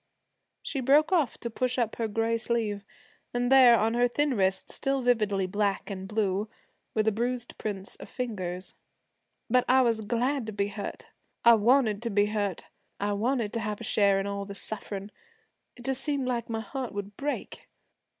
She broke off to push up her gray sleeve, and there on her thin wrist, still vividly black and blue, were the bruised prints of fingers. 'But I was glad to be hurt I wanted to be hurt. I wanted to have a share in all the sufferin'. It just seemed like my heart would break.